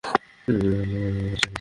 আরো ভালো হওয়ার চেষ্টা করছি।